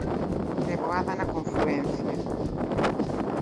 'Treboada na confluencia'.